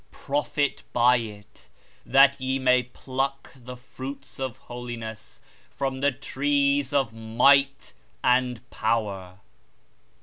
Profit by it, that ye may pluck the fruits of Holiness from the Trees of Might and Power.